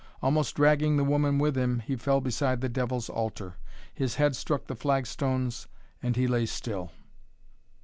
Almost dragging the woman with him he fell beside the devil's altar. His head struck the flagstones and he lay still.